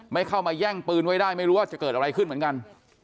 ไม่เข้ามาแย่งปืนไว้ได้ไม่รู้ว่าจะเกิดอะไรขึ้นเหมือนกัน